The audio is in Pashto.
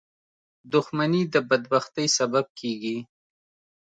• دښمني د بدبختۍ سبب کېږي.